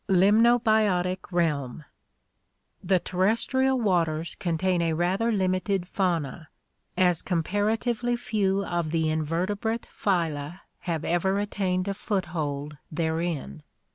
Litnnobiotic Realm The terrestrial waters contain a rather limited fauna, as compar atively few of the invertebrate phyla have ever attained a foothold therein.